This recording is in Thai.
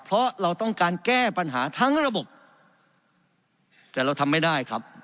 เพราะเราต้องการแก้ปัญหาทั้งระบบแต่เราทำไม่ได้ครับ